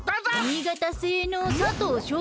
新潟星の佐藤咲